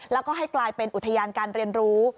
แล้วก็ให้กลายเป็นอุทยานการเรียนรู้